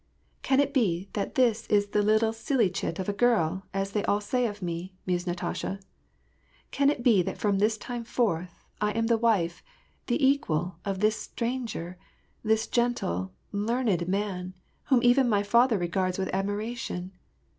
'^ Can it be that this is the little silly chit of a girl, as they all say of me ?" mused Natasha. ^^ Can it be that from this time forth, I am the wife, the equal, of this stranger, this gentle, learned man, whom even my father regards with admi ration